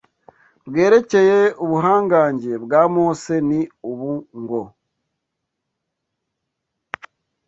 bwerekeye ubuhangange bwa Mose ni ubu ngo: